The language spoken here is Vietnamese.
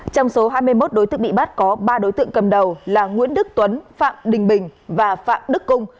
trong số hai mươi một đối tượng bị bắt có ba đối tượng cầm đầu là nguyễn đức tuấn phạm đình bình và phạm đức cung